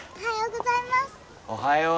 おはよう。